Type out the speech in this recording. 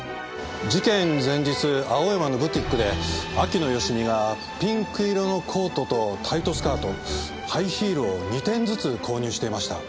事件前日青山のブティックで秋野芳美がピンク色のコートとタイトスカートハイヒールを２点ずつ購入していました。